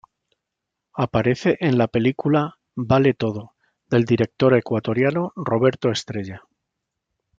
Aparece en la película "Vale Todo" del director ecuatoriano Roberto Estrella.